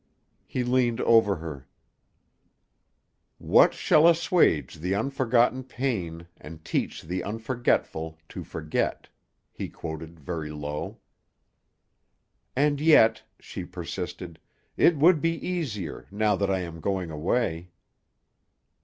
He leaned over her: "'What shall assuage the unforgotten pain And teach the unforgetful to forget?'" he quoted very low. "And yet," she persisted, "it would be easier, now that I am going away."